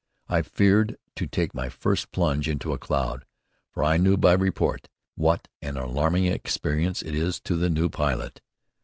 I feared to take my first plunge into a cloud, for I knew, by report, what an alarming experience it is to the new pilot.